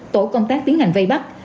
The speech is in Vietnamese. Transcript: tổ công tác tiến hành vây bắt